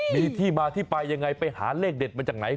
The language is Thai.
มีที่มาที่ไปยังไงไปหาเลขเด็ดมาจากไหน